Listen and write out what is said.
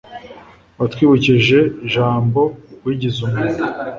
watwibukije jambo wigize umuntu